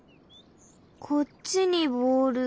こっちにボール。